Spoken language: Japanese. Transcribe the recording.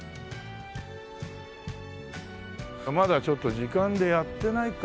まだちょっと時間でやってないか。